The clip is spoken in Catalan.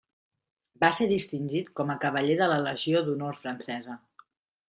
Va ser distingit com a cavaller de la Legió d'Honor francesa.